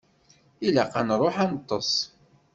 Ilaq ad nṛuḥ ad neṭṭeṣ.